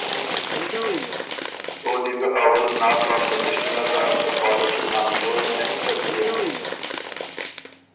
او دی ګۀ اول ناک لاسته پِشتِنه داک که خواره کی ناندونې څۀ کيېن؟